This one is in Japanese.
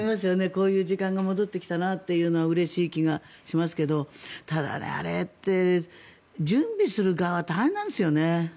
こういう時間が戻ってきたなっていうのはうれしい気がしますけどただ、あれって準備する側は大変なんですよね。